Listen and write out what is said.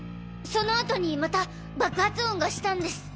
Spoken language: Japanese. そのあとにまた爆発音がしたんです。